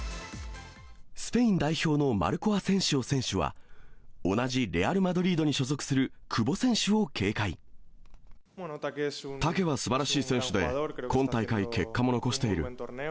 スペイン代表のマルコ・アセンシオ選手は同じレアル・マドリードタケはすばらしい選手で、今大会、結果も残している。